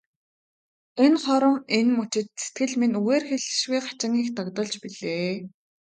Энэ хором, энэ мөчид сэтгэл минь үгээр хэлшгүй хачин их догдолж билээ.